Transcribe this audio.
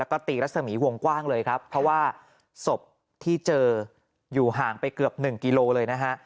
แล้วก็ตีรัศมีวงกว้างเลยครับเพราะว่าศพที่เจออยู่ห่างไปเกือบ๑กิโลเลยนะฮะ